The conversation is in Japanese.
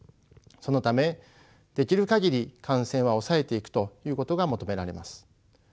そのためできる限り感染は抑えていくということが求められます。